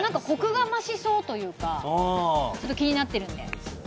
こくが増しそうというか、気になってるので。